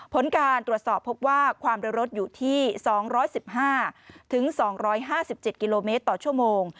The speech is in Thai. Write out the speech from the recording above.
ผลการตรวจสอบพบว่าความเร็วรถอยู่ที่๒๑๕๒๕๗กิโลเมตรต่อชั่วโมง